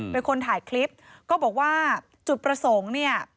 เป็นคนถ่ายคลิปก็บอกว่าจุดประสงค์เนี่ย